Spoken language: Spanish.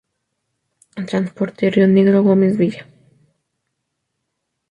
Transporte: Rionegro, Gómez Villa